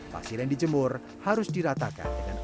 pasir yang dijemur harus diratakan dengan